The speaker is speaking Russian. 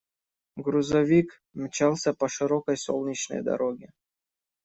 Грузовик мчался по широкой солнечной дороге.